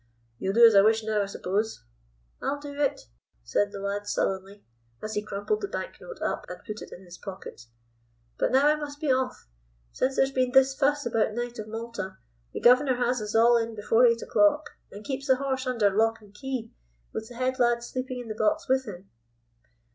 You'll do as I wish now, I suppose?" "I'll do it," said the lad sullenly, as he crumpled the banknote up and put it in his pocket. "But now I must be off. Since there's been this fuss about Knight of Malta, the guv'nor has us all in before eight o'clock, and keeps the horse under lock and key, with the head lad sleeping in the box with him."